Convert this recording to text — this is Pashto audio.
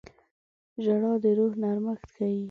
• ژړا د روح نرمښت ښيي.